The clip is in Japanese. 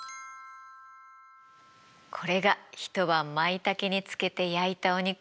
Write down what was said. これが一晩マイタケに漬けて焼いたお肉よ。